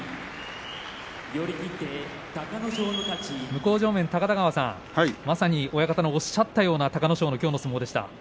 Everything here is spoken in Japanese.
向正面、高田川さんまさに親方のおっしゃったような隆の勝の相撲でした。